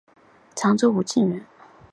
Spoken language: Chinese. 常州武进人。